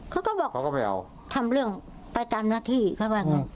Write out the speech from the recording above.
เขาก็บอกทำเรื่องไปตามหน้าที่เข้าไปกัน